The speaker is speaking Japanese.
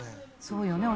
そうよね